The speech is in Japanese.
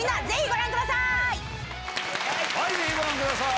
ぜひご覧ください。